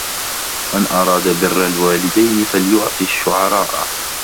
مَنْ أَرَادَ بِرَّ الْوَالِدَيْنِ فَلْيُعْطِ الشُّعَرَاءَ